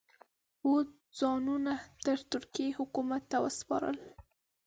او ځانونه د ترکیې حکومت ته وسپاري.